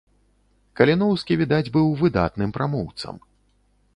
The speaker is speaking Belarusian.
Каліноўскі, відаць, быў выдатным прамоўцам.